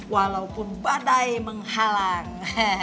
walaupun badai menghalang